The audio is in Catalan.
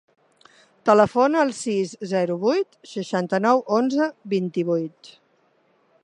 Telefona al sis, zero, vuit, seixanta-nou, onze, vint-i-vuit.